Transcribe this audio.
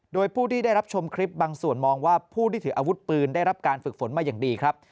โดยผู้ที่ได้รับชมคลิปบางส่วนมองว่าผู้ที่ถืออาวุธปืนได้รับการฝึกฝนมาอย่างดีครับ